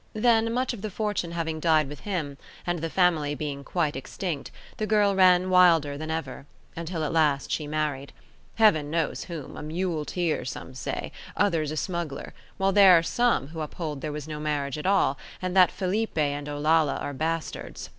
Then, much of the fortune having died with him, and the family being quite extinct, the girl ran wilder than ever, until at last she married, Heaven knows whom, a muleteer some say, others a smuggler; while there are some who uphold there was no marriage at all, and that Felipe and Olalla are bastards.